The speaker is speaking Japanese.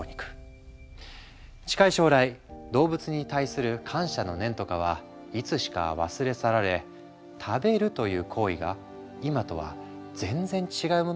近い将来動物に対する感謝の念とかはいつしか忘れ去られ食べるという行為が今とは全然違うものになるのかもしれないね。